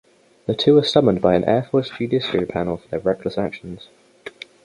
The two are summoned by an Air Force judiciary panel for their reckless actions.